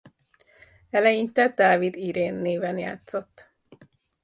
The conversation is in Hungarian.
Eleinte Dávid Irén néven játszott.